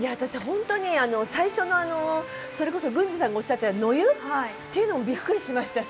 ホントに最初のあのそれこそ郡司さんがおっしゃったように野湯っていうのもびっくりしました